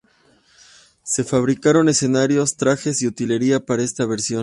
Se fabricaron escenarios, trajes y utilería para esta versión.